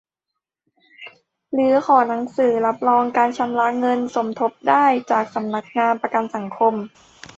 หรือขอหนังสือรับรองการชำระเงินสมทบได้จากสำนักงานประกันสังคม